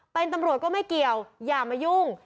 เป็นตำรวจก็ไม่เกี่ยวอย่ามายุ่ง